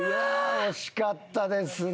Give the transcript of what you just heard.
惜しかったですね。